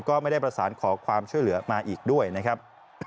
ก็ไม่ได้ประสานขอความช่วยเหลือมาอีกด้วยนะครับ